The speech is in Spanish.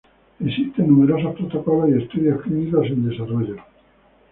Existen numerosos protocolos y estudios clínicos en desarrollo.